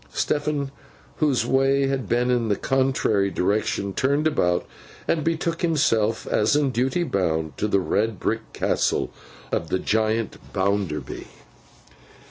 Stephen, whose way had been in the contrary direction, turned about, and betook himself as in duty bound, to the red brick castle of the giant Bounderby.